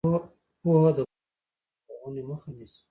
پوهه د قدرت د سرغړونې مخه نیسي.